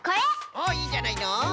おっいいじゃないの。